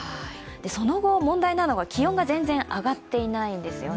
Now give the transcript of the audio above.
その後、問題なのは気温が全然上がっていないんですよね。